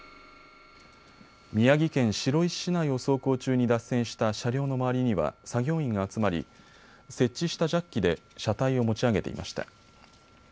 宮城県白石市内を走行中に脱線した車両の周りには作業員が集まり設置したジャッキで車体を持ち上げていました。